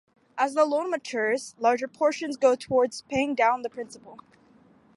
As the loan matures, larger portions go towards paying down the principal.